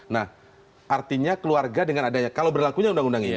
nah artinya keluarga dengan adanya kalau berlakunya undang undang ini